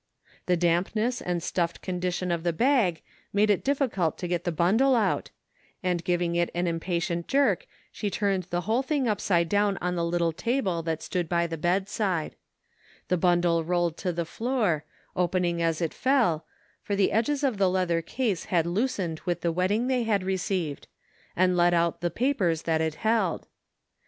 The dampness and stuffed con dition of the bag made it difficult to get the bundle out, and giving it an impatient jerk she turned the whole thing upside down on the little table that stood by the 107 THE FINDING OF JASPEE HOLT bedside The bundle roUed to the floor, opening as it fell, for the edges of the leather case had loosened with the wetting they had received, and let out the papers that it held.